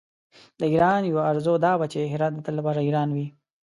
د ایران یوه آرزو دا وه چې هرات د تل لپاره د ایران وي.